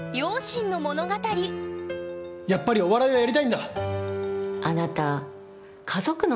やっぱりお笑いをやりたいんだ！